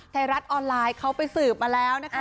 ไทยรัฐออนไลน์เขาไปสืบมาแล้วนะคะ